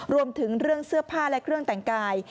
รวมถึงเรื่องเสื้อผ้าและเครื่องแต่งกาย